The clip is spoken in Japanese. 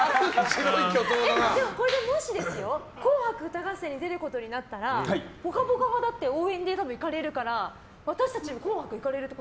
これで、もし「紅白歌合戦」に出ることになったら「ぽかぽか」が応援でいかれるから私たちもボーンって。